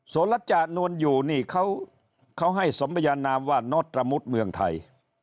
โสรัจจานวนอยู่นี่เขาให้สมบัญญาณนามว่านอธรรมุทธ์เมืองไทย